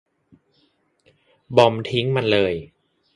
บอมบ์ทิ้งมันเลย !